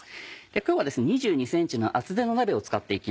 今日はですね２２ｃｍの厚手の鍋を使って行きます。